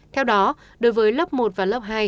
theo đó đối với lớp một và lớp hai